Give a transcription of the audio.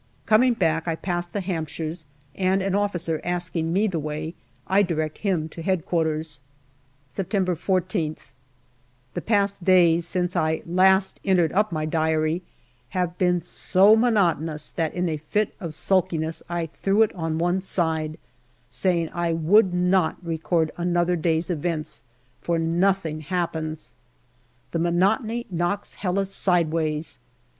Coming back, I pass the Hampshires, and an officer asking me the way, I direct him to H.Q September The past days, since I last entered up my Diary, have been so monotonous that in a fit of sulkiness I threw it on one side, saying I would not record another day's events, for nothing happens. The monotony knocks Helles side ways.